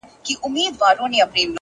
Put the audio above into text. علم د انسان شعور پراخوي’